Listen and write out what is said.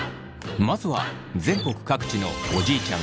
まずは全国各地のおじいちゃん